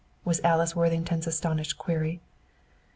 was Alice Worthington's astounded query.